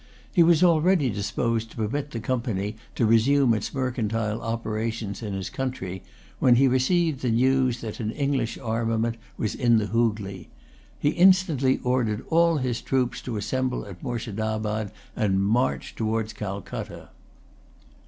He was already disposed to permit the Company to resume its mercantile operations in his country, when he received the news that an English armament was in the Hoogley. He instantly ordered all his troops to assemble at Moorshedabad, and marched towards Calcutta.